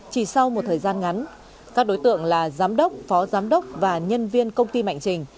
chỉ sau một thời gian ngắn các đối tượng là giám đốc phó giám đốc và nhân viên công ty mạnh trình